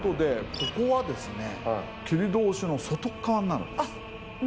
ここはですね切通しの外っ側になる。